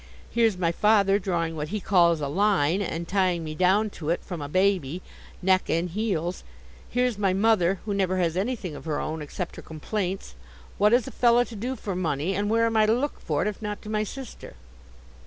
Here's my father drawing what he calls a line, and tying me down to it from a baby, neck and heels. Here's my mother who never has anything of her own, except her complaints. What is a fellow to do for money, and where am I to look for it, if not to my sister?